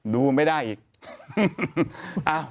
ดูไม่ได้อีก